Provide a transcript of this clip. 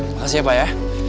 makasih ya pak ya